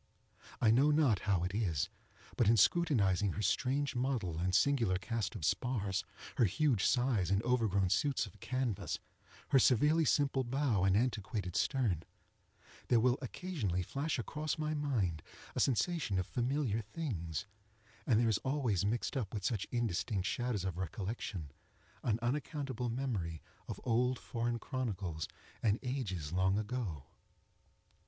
I know not how it is, but in scrutinizing her strange model and singular cast of spars, her huge size and overgrown suits of canvas, her severely simple bow and antiquated stern, there will occasionally flash across my mind a sensation of familiar things, and there is always mixed up with such indistinct shadows of recollection, an unaccountable memory of old foreign chronicles and ages long ago.